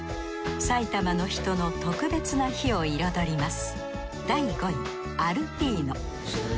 さいたまの人の特別な日を彩ります